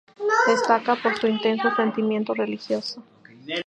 Destaca por su intenso sentimiento religioso.